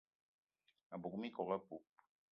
A bug minkok apoup